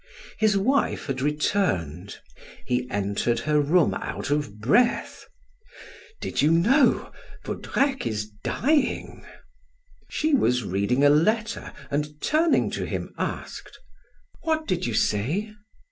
His wife had returned. He entered her room out of breath: "Did you know? Vaudrec is dying!" She was reading a letter and turning to him asked: "What did you say?"